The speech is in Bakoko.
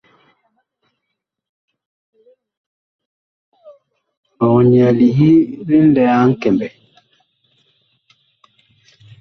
Ɔg nyɛɛ liyi ŋlɛɛ a Nkɛmbɛ.